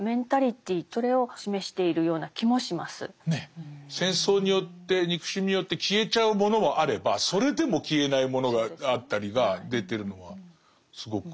ある意味ではその戦争によって憎しみによって消えちゃうものもあればそれでも消えないものがあったりが出てるのはすごくすてきです。